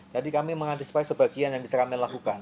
jadi kami mengantisipasi sebagian yang bisa kami lakukan